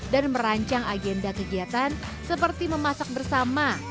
dan merancang agenda kegiatan seperti memasak bersama